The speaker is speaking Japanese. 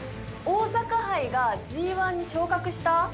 大阪杯がＧⅠに昇格した？